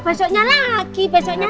besoknya lagi besoknya lagi gitu